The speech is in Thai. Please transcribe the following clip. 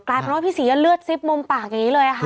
กลายเป็นว่าพี่ศรีเลือดซิบมุมปากอย่างนี้เลยค่ะ